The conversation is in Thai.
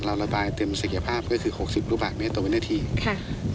ระบายเต็มศักยภาพก็คือหกสิบลูกบาทเมตรต่อวินาทีค่ะ